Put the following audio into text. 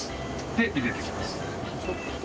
でゆでていきます。